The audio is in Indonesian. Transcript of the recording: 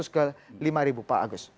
seribu tujuh ratus ke lima ribu pak